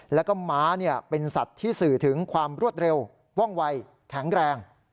แล้วก็ม้าเป็นสัตว์ที่สื่อถึงความรวดเร็วว่องวัยแข็งแรง